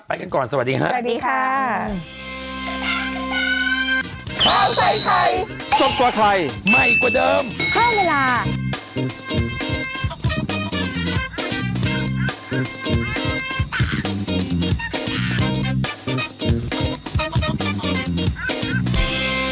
กันก่อนสวัสดีค่ะสวัสดีค่ะ